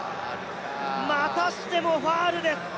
またしてもファウルです。